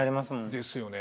ですよね。